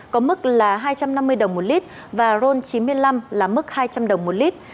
có mức là hai trăm năm mươi đồng một lít và ron chín mươi năm là mức hai trăm linh đồng một lít